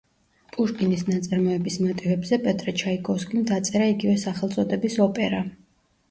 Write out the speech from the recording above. პუშკინის ნაწარმოების მოტივებზე პეტრე ჩაიკოვსკიმ დაწერა იგივე სახელწოდების ოპერა.